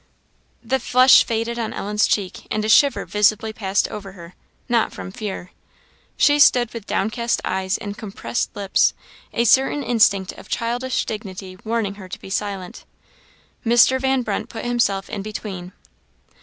The flush faded on Ellen's cheek, and a shiver visibly passed over her not from fear. She stood with downcast eyes and compressed lips, a certain instinct of childish dignity warning her to be silent. Mr. Van Brunt put himself in between.